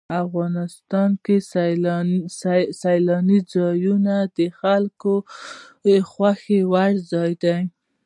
افغانستان کې سیلاني ځایونه د خلکو خوښې وړ ځای دی.